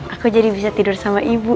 aku jadi bisa tidur sama ibu